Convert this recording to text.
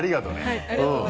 はい。